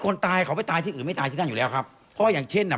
คนตายเขาไปตายที่อื่นไม่ตายที่นั่นอยู่แล้วครับเพราะว่าอย่างเช่นอ่ะ